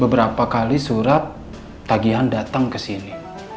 beberapa kali surat tagihan datang ke sini